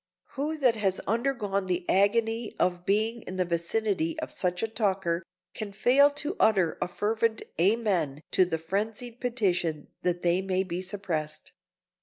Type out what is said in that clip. —who that has undergone the agony of being in the vicinity of such a talker can fail to utter a fervent "Amen" to the frenzied petition that they be suppressed.